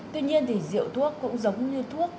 tuy nhiên thì rượu thuốc cũng giống như thuốc